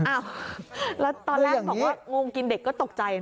อ้าวแล้วตอนแรกบอกว่างงกินเด็กก็ตกใจนะ